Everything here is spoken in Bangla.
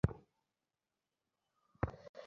তাহার পরিচিত মহলে কেউ কখনও স্কুলের মুখ দেখে নাই।